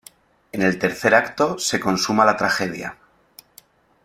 En el tercer acto se consuma la tragedia.